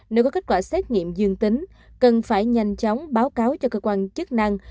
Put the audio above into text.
nếu có kết quả xét nghiệm dương tính cần phải nhanh chóng báo cáo cho cơ quan chức năng